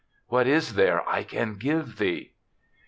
What is there I can give thee?"